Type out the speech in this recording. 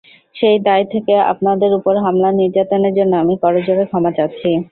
সেই দায় থেকে আপনাদের ওপর হামলা-নির্যাতনের জন্য আমি করজোড়ে ক্ষমা চাচ্ছি।